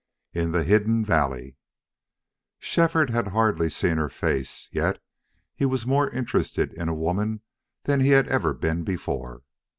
IN THE HIDDEN VALLEY Shefford had hardly seen her face, yet he was more interested in a woman than he had ever been before.